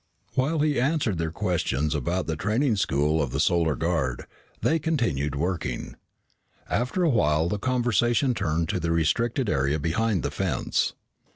While he answered their questions about the training school of the Solar Guard, they continued working. After a while the conversation turned to the restricted area behind the fence.